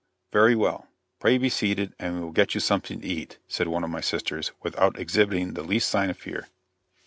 "Very well; pray be seated, and we'll get you something to eat," said one of my sisters, without exhibiting the least sign of fear.